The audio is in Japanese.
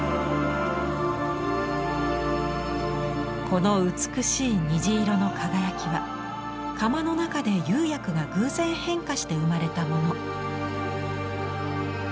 この美しい虹色の輝きは窯の中で釉薬が偶然変化して生まれたもの。